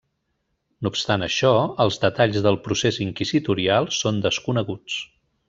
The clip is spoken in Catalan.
No obstant això, els detalls del procés inquisitorial són desconeguts.